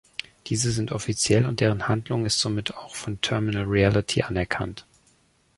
Diese sind offiziell und deren Handlung ist somit auch von "Terminal Reality" anerkannt.